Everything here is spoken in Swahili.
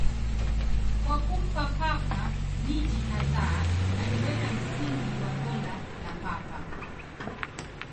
Kwa kumpa Papa miji kadhaa, aliweka msingi wa Dola la Papa.